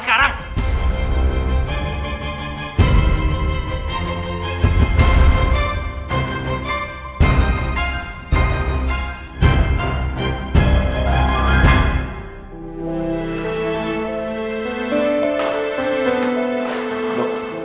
dia ke tinham